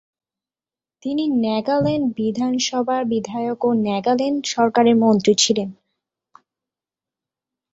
তিনি নাগাল্যান্ড বিধানসভার বিধায়ক ও নাগাল্যান্ড সরকারের মন্ত্রী ছিলেন।